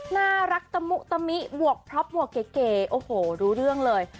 น่ารักตะมุตะมิบวกพร็อปบวกเก๋โอ้โหรู้เรื่องเลย